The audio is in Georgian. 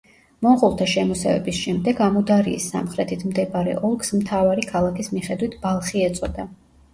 მონღოლთა შემოსევების შემდეგ ამუდარიის სამხრეთით მდებარე ოლქს მთავარი ქალაქის მიხედვით ბალხი ეწოდა.